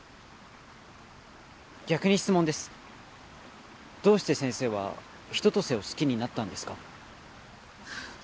逆に質問ですどうして先生は春夏秋冬を好きになったんですか？